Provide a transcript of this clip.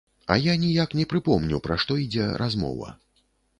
А я ніяк не прыпомню, пра што ідзе размова.